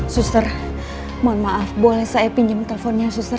suster mohon maaf boleh saya pinjam teleponnya suster